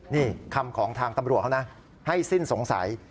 นี่คำของทางตำรวจเขานะให้สิ้นสงสัย